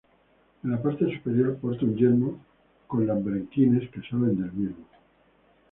En la parte superior porta un yelmo con lambrequines que salen del mismo.